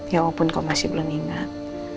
ya walaupun kau masih belum ingat